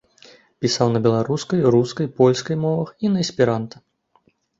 Пісаў на беларускай, рускай, польскай мовах і на эсперанта.